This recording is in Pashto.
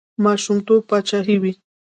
ماشومتوب پاچاهي وي.